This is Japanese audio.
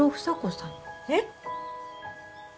えっ！？